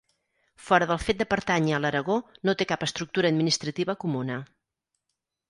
Fora del fet de pertànyer a l'Aragó, no té cap estructura administrativa comuna.